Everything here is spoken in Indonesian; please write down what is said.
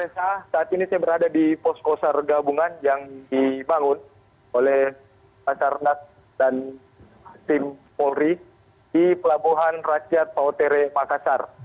saat ini saya berada di posko sar gabungan yang dibangun oleh pasar nas dan tim polri di pelabuhan rakyat pautere makassar